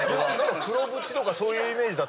黒縁とかそういうイメージ。